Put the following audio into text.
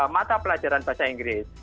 mata pelajaran bahasa inggris